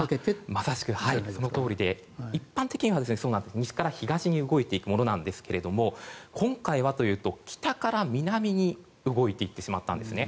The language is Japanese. まさしく、そのとおりで一般的には西から東に動いていくものなんですけれども今回はというと北から南に動いていってしまったんですね。